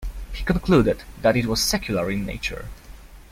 He concluded that it was secular in nature.